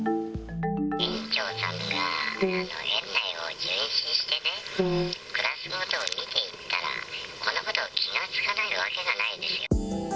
園長さんが園内を巡視してね、クラスごとに見ていたら、こんなことに気が付かないわけがないですよ。